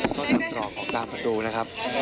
เข้าทางกรอบออกตามประตูนะครับ